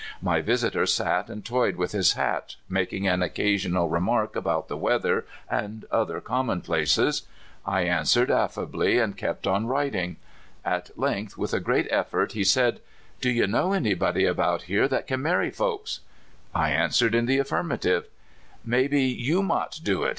My visitor sat and toyed with his hat, making an occasional remark about the weather and other commonplaces. I answered affably, and kept on writing. At length, with a great effort, he said: '* Do 3^ou know anybody about here that can marry folks? " I answered in the affirmative. "Maybe you mought do it?"